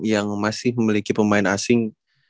yang masih memiliki pemain asing